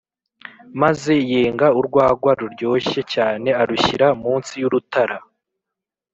maze yenga urwagwa ruryoshye cyane arushyira munsi y'urutara